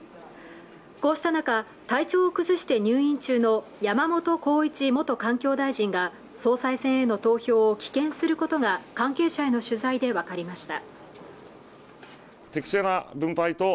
こうした中体調を崩して入院中の山本公一元環境大臣が総裁選への投票を棄権することが関係者への取材で分かりました